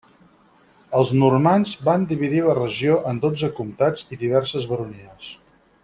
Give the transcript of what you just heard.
Els normands varen dividir la regió en dotze comtats i diverses baronies.